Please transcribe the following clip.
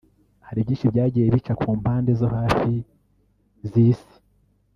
Hari byinshi byagiye bica ku mpande zo hafi z'isi